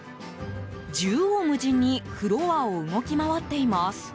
縦横無尽にフロアを動き回っています。